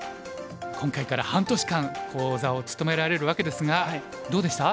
今回から半年間講座を務められるわけですがどうでした？